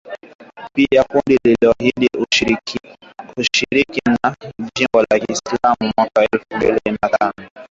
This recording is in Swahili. Pia kundi liliahidi ushirika na jimbo la kiislam mwaka elfu mbili kumi na tisa.